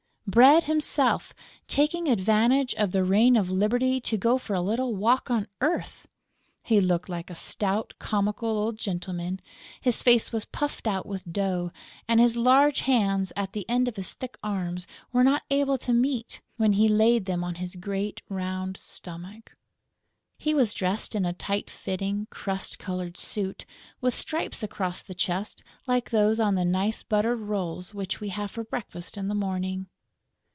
Bread himself, taking advantage of the reign of liberty to go for a little walk on earth! He looked like a stout, comical old gentleman; his face was puffed out with dough; and his large hands, at the end of his thick arms, were not able to meet, when he laid them on his great, round stomach. He was dressed in a tight fitting crust coloured suit, with stripes across the chest like those on the nice buttered rolls which we have for breakfast in the morning.